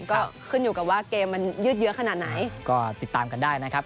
ก็ขึ้นอยู่กับว่าเกมมันยืดเยอะขนาดไหนก็ติดตามกันได้นะครับ